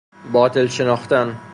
باطل شناختن